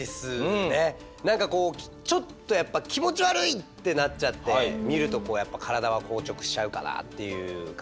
何かこうちょっとやっぱ気持ち悪いってなっちゃって見るとこうやっぱ体は硬直しちゃうかなっていう感じですね。